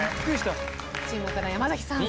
チーム岡田山崎さん。